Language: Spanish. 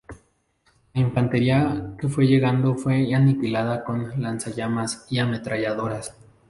La infantería que fue llegando fue aniquilada con lanzallamas y ametralladoras.